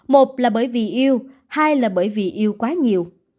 một là bởi vì yêu hai là bởi vì yêu quá nhiều